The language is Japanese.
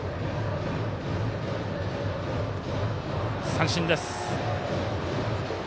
三振です。